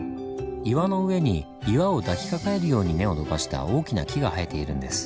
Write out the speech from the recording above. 岩の上に岩を抱きかかえるように根を伸ばした大きな木が生えているんです。